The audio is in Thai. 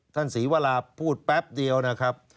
ศรีวราพูดแป๊บเดียวนะครับ